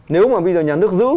nếu mà bây giờ nhà nước giữ